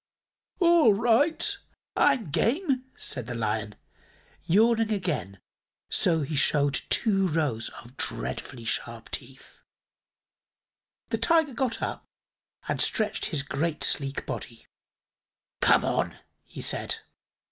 "All right; I'm game," said the Lion, yawning again so that he showed two rows of dreadfully sharp teeth. The Tiger got up and stretched his great, sleek body. "Come on," he said.